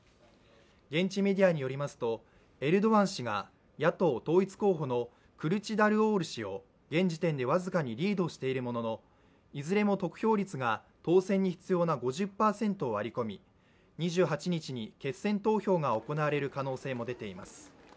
現地メディアによりますと、エルドアン氏が野党統一候補のクルチダルオール氏を現時点で僅かにリードしているもののいずれも得票率が当選に必要な５０％を割り込み、２８日に決選投票が行われる可能性も出ています。